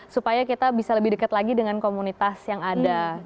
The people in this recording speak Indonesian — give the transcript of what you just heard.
supaya kita bisa lebih dekat lagi dengan komunitas yang ada